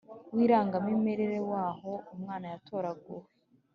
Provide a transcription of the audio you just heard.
w irangamimerere w aho umwana yatoraguwe